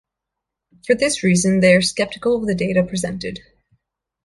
For this reason, they are skeptical of the data presented.